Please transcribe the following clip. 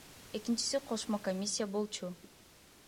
Экинчиси кошмо комиссия болчу.